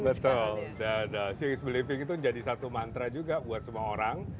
betul seeing is believing itu jadi satu mantra juga buat semua orang